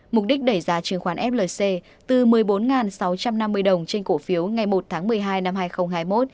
mục đích đẩy giá chứng khoán flc từ một mươi bốn sáu trăm năm mươi đồng trên cổ phiếu ngày một tháng một mươi hai năm hai nghìn hai mươi một